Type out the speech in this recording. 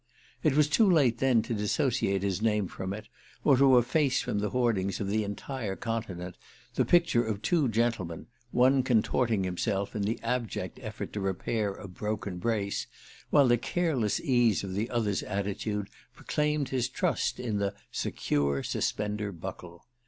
It was too late then to dissociate his name from it, or to efface from the hoardings of the entire continent the picture of two gentlemen, one contorting himself in the abject effort to repair a broken brace, while the careless ease of the other's attitude proclaimed his trust in the Secure Suspender Buckle.